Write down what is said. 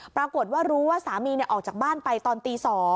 ปรากฏว่ารู้ว่าสามีออกจากบ้านไปตอนตี๒